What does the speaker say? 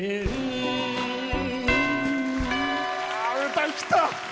歌いきった！